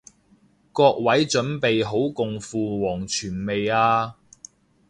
各位準備好共赴黃泉未啊？